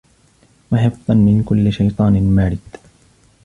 وَحِفظًا مِن كُلِّ شَيطانٍ مارِدٍ